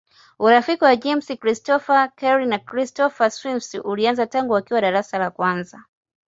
Urafiki wa James Christopher Kelly na Christopher Smith ulianza tangu wakiwa darasa la kwanza.